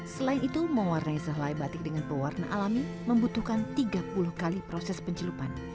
selain itu mewarnai sehelai batik dengan pewarna alami membutuhkan tiga puluh kali proses pencelupan